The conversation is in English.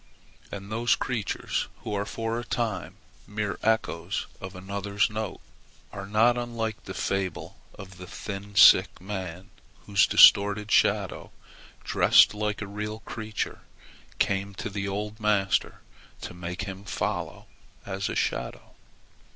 And those creatures who are for a time mere echoes of another's note are not unlike the fable of the thin sick man whose distorted shadow, dressed like a real creature, came to the old master to make him follow as a shadow.